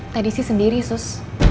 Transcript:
tadi sih sendiri sus